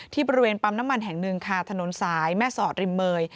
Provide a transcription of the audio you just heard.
บริเวณปั๊มน้ำมันแห่งหนึ่งค่ะถนนสายแม่สอดริมเมย